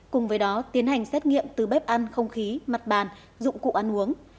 cùng với đó tiến hành xét nghiệm từ bếp ăn không khí mặt bàn dụng cụ ăn uống